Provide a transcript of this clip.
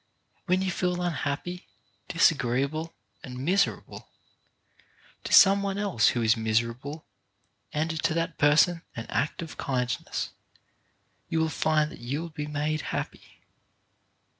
When you feel unhappy, disagreeable and miserable, go to some one else who is miserable and do that person an act of kindness, and you will find that you will be made happy.